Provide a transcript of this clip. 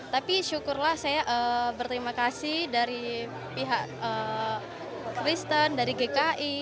tapi syukurlah saya berterima kasih dari pihak kristen dari gki